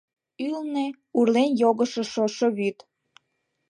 Ӱлнӧ — урлен йогышо шошо вӱд.